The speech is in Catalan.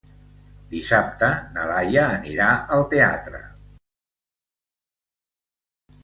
Dissabte na Laia anirà al teatre.